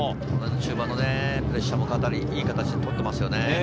中盤のプレッシャーもいい形で取っていますね。